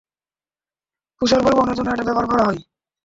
তুষার পরিবহনের জন্য এটা ব্যবহার করা হয়।